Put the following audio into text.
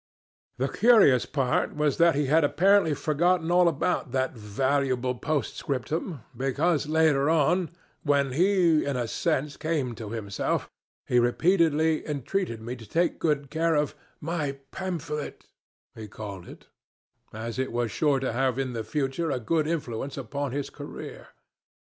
The curious part was that he had apparently forgotten all about that valuable postscriptum, because, later on, when he in a sense came to himself, he repeatedly entreated me to take good care of 'my pamphlet' (he called it), as it was sure to have in the future a good influence upon his career.